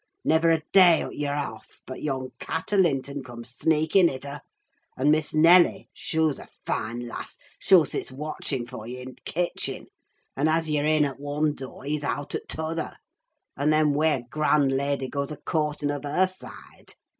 Never a day ut yah're off, but yon cat o' Linton comes sneaking hither; and Miss Nelly, shoo's a fine lass! shoo sits watching for ye i' t' kitchen; and as yah're in at one door, he's out at t'other; and, then, wer grand lady goes a courting of her side!